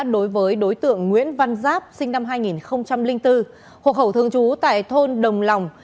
đối với đối tượng nguyễn văn giáp sinh năm hai nghìn bốn hộ khẩu thường trú tại thôn đồng lòng